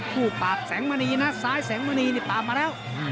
คู่ปากแสงมณีนะซ้ายแสงมณีนี่ตามมาแล้ว